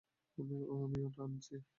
আমি ওটা আনছি।